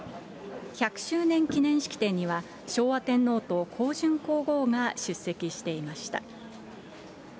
１００周年記念式典には昭和天皇と香淳皇后が出席していました。